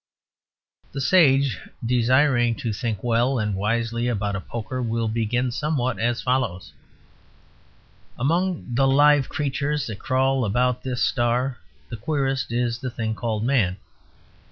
The sage desiring to think well and wisely about a poker will begin somewhat as follows: Among the live creatures that crawl about this star the queerest is the thing called Man.